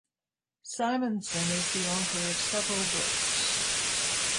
Simonsen is the author of several books.